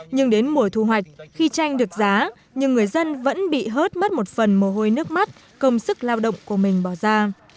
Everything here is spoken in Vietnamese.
nhưng đến mùa thu hoạch khi tranh được giá nhưng người dân vẫn bị hớt mất một phần mồ hôi nước mắt công sức lao động của mình bỏ ra